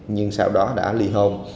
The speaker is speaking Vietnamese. nhưng sau đó đã ly hôn